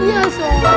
nanti itu sobri